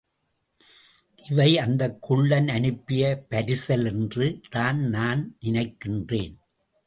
இவை அந்தக் குள்ளன் அனுப்பிய பரிசல் என்று தான் நான் நினைக்கிறேன்.